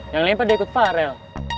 yang lempar dia ikut farel